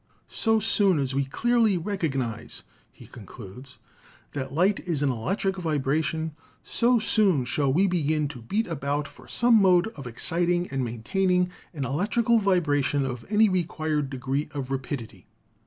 "So soon as we clearly recognise," he concludes, "that light is an electric vibration, so soon shall we begin to beat about for some mode of exciting and maintaining an electrical vibration of any required degree of rapidity.